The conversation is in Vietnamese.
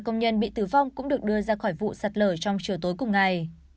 năm công nhân bị tử vong cũng được đưa ra khỏi vụ sạt lở trong chiều tối cùng ngày